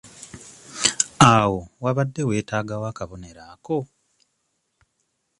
Awo wabadde weetaagawo akabonero ako?